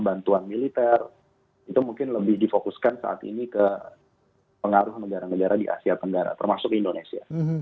bantuan militer itu mungkin lebih difokuskan saat ini ke pengaruh negara negara di asia tenggara termasuk indonesia